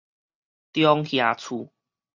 中瓦厝